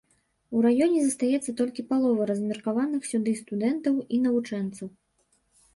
У раёне застаецца толькі палова размеркаваных сюды студэнтаў і навучэнцаў.